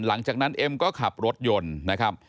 หลังจากนั้นเอมก็ขับรถยนต์นะครับ